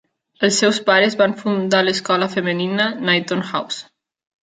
Els seus pares van fundar l'escola femenina Knighton House.